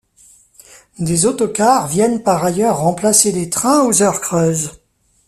Des autocars viennent par ailleurs remplacer les trains aux heures creuses.